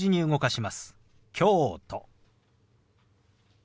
「京都」。